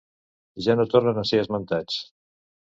Ja no tornen a ser esmentats.